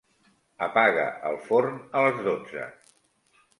Apaga el forn a les dotze.